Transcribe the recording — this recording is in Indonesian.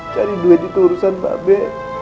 cari duit itu urusan mbak be